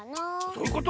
そういうこと？